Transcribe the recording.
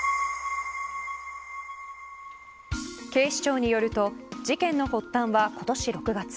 警視庁によると事件の発端は今年６月。